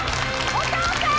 お父さん！